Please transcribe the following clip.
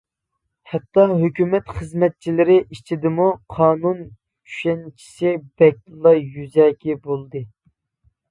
ھەتتا ھۆكۈمەت خىزمەتچىلىرى ئىچىدىمۇ قانۇن چۈشەنچىسى بەكلا يۈزەكى بولدى.